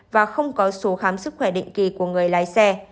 và không có số khám sức khỏe định kỳ của người lái xe